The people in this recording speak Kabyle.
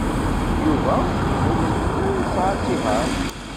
Yuba ur yelli ara yesɛa asihaṛ.